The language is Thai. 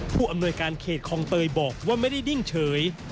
ผู้อำนวยการเขตคลองเตยบอกว่าไม่ได้นิ่งเฉย